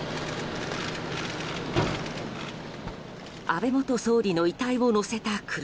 安倍元総理の遺体を乗せた車。